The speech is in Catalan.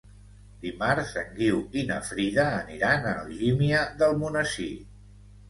Dimarts en Guiu i na Frida aniran a Algímia d'Almonesir.